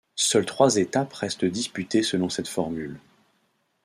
Seules trois étapes restent disputées selon cette formule.